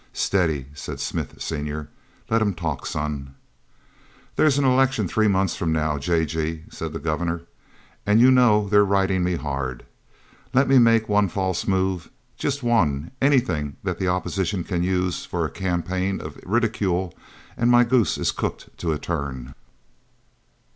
"Steady," said Smith, senior. "Let him talk, son." "There's an election three months from now, J. G.," said the Governor, "and you know they're riding me hard. Let me make one false move—just one—anything that the opposition can use for a campaign of ridicule, and my goose is cooked to a turn."